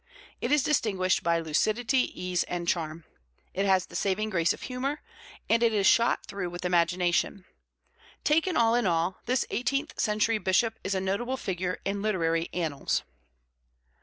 It is distinguished by lucidity, ease, and charm; it has the saving grace of humor; and it is shot through with imagination. Taken all in all, this eighteenth century bishop is a notable figure in literary annals.